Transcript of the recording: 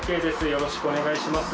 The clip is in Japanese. よろしくお願いします。